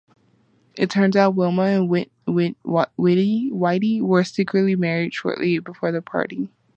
It turns out Wilma and Whitey were secretly married shortly before the party.